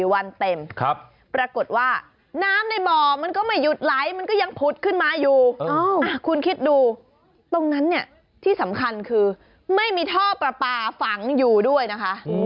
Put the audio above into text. ปรากฏว่าน้ำในบ่อมันก็ไม่หยุดไหลมันก็ยังผุดขึ้นมาอยู่คุณคิดดูตรงนั้นเนี่ยที่สำคัญคือไม่มีท่อปลาปลาฝังอยู่ด้วยนะคะ